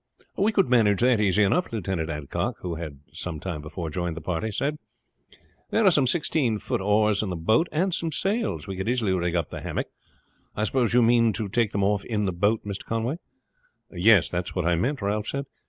"We could manage that easy enough," Lieutenant Adcock, who had some time before joined the party, said. "There are some sixteen feet oars in the boat and some sails. We could easily rig up the hammock. I suppose you mean to take them off in the boat, Mr. Conway?" "Yes; that's what I meant," Ralph said.